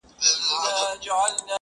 o ځوان د پوره سلو سلگيو څه راوروسته ـ